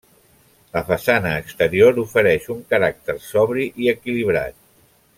La façana exterior ofereix un caràcter sobri i equilibrat.